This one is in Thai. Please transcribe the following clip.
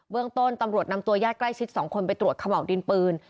เรื่องต้นตำรวจนำตัวญาติใกล้ชิด๒คนไปตรวจขม่าวดินปืน